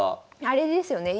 あれですよね